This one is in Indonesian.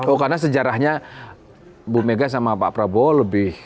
oh karena sejarahnya bu mega sama pak prabowo lebih